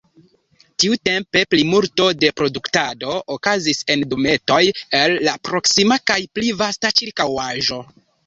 Tiutempe plimulto de produktado okazis en dometoj el la proksima kaj pli vasta ĉirkaŭaĵo.